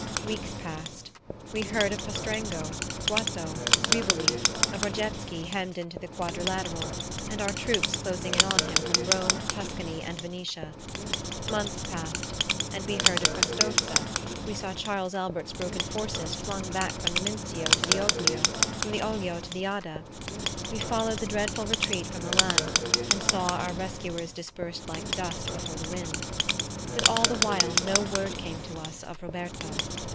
Weeks passed. We heard of Pastrengo, Goito, Rivoli; of Radetsky hemmed into the Quadrilateral, and our troops closing in on him from Rome, Tuscany and Venetia. Months passed and we heard of Custozza. We saw Charles Albert's broken forces flung back from the Mincio to the Oglio, from the Oglio to the Adda. We followed the dreadful retreat from Milan, and saw our rescuers dispersed like dust before the wind. But all the while no word came to us of Roberto.